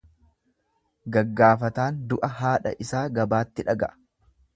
Gaggaafataan du'a haadha isaa gabaatti dhaga'a.